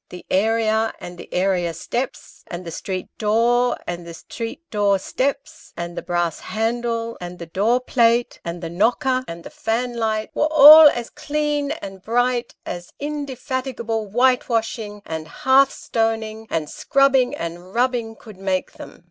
The area and the area steps, and the street door and the street door steps, and the brass handle, and the door plate, and the knocker, and the fan light, were all as clean and bright, as inde fatigable whitewashing, and hearthstoning, and scrubbing and rub bing, could make them.